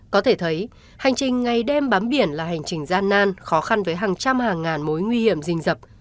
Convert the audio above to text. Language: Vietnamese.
có thể thấy hành trình ngày đêm bám biển là hành trình gian nan khó khăn với hàng trăm hàng ngàn mối nguy hiểm rình rập